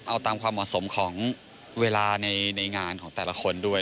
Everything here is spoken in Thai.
เอาตามความเหมาะสมของเวลาในงานของแต่ละคนด้วย